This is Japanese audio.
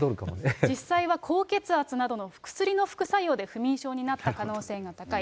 実際は高血圧などの薬の副作用で、不眠症になった可能性が高い。